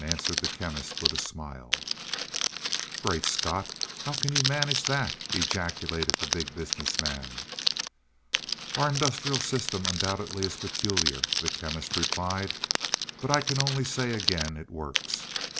answered the Chemist with a smile. "Great Scott, how can you manage that?" ejaculated the Big Business Man. "Our industrial system undoubtedly is peculiar," the Chemist replied, "but I can only say again, it works.